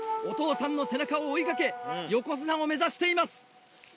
お父さんの背中を追い掛け横綱も目指しています。